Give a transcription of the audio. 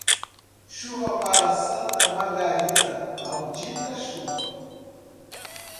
Chuva para Santa Margarida, maldita chuva.